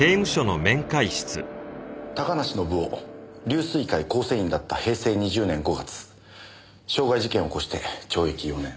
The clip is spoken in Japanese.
高梨宣夫龍翠会構成員だった平成２０年５月傷害事件を起こして懲役４年。